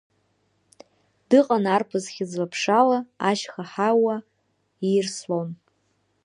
Дыҟан арԥыс хьыӡла-ԥшала, ашьха ҳауа иирслон.